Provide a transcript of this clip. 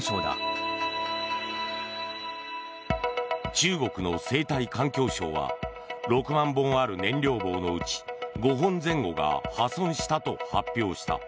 中国の生態環境省は６万本ある燃料棒のうち５本前後が破損したと発表した。